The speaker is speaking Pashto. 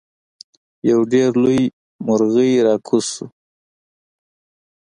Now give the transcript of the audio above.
یو ډیر لوی مرغۍ راکوز شو.